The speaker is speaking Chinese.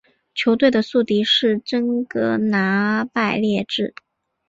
球队的宿敌是真格拿拜列治。